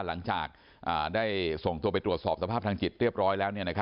หลังจากได้ส่งตัวไปตรวจสอบสภาพทางจิตเรียบร้อยแล้ว